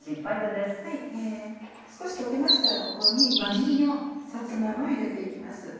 少し溶けましたらここにさつま芋を入れて行きます。